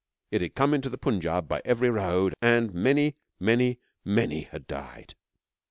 It had come into the Punjab by every road, and many many many had died.